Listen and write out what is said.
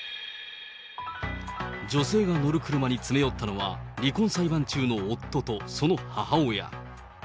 女性が乗る車に詰め寄ったのは、離婚裁判中の夫とその母親。